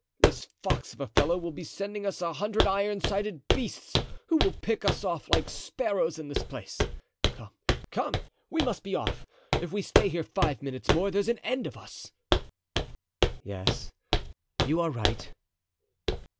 This fox of a fellow will be sending us a hundred iron sided beasts who will pick us off like sparrows in this place. Come, come, we must be off. If we stay here five minutes more there's an end of us." "Yes, you are right."